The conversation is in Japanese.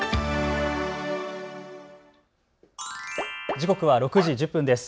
時刻は６時１０分です。